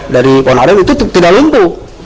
dari ponarin itu tidak lumpuh